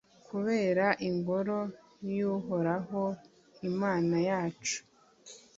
Kubera Ingoro y’Uhoraho Imana yacu